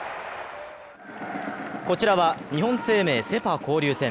こちらは日本生命セ・パ交流戦。